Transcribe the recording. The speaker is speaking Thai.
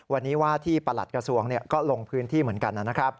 วันนี้ว่าที่ประหลัดกระทรวงก็ลงพื้นที่เหมือนกันนะครับ